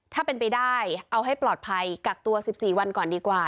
ถ้าเป็นไปได้เอาให้ปลอดภัยกักตัว๑๔วันก่อนดีกว่า